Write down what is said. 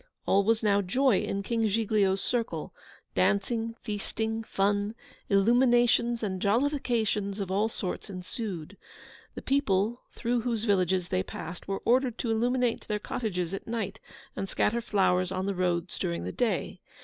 All was now joy in King Giglio's circle. Dancing, feasting, fun, illuminations, and jollifications of all sorts ensued. The people through whose villages they passed were ordered to illuminate their cottages at night, and scatter flowers on the roads during the day.